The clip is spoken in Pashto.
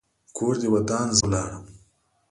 کور دې ودان؛ زه ولاړم.